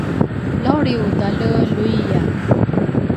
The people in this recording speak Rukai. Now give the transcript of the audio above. lawlriudale luiya.